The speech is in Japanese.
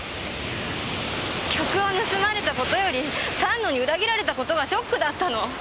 曲を盗まれた事より丹野に裏切られた事がショックだったの。